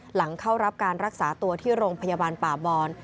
หลังเข้ารับการรักษาตัวที่โรงพยาบาลป่าบอน